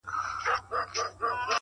نظم د بریالیتوب خاموش بنسټ دی،